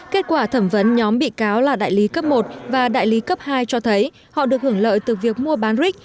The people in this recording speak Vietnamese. kết quả thẩm vấn nhóm bị cáo là đại lý cấp một và đại lý cấp hai cho thấy họ được hưởng lợi từ việc mua bán rick